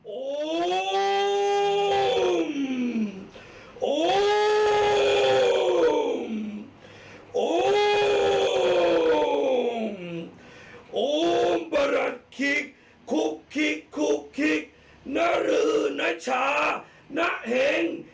โอ้มโอ้มโอ้มโอ้มประหลัดคิกคุกคิกคุกคิกนรือนชานห่ง